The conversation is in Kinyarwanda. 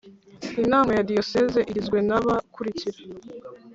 inama ya diyoseze igizwe n aba bakurikira